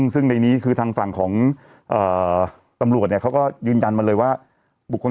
ซึ่งในนี้คือทางฝั่งของตำรวจเขาก็ยืนยันมาเลยว่าบุคคล